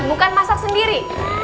bukan masak sendiri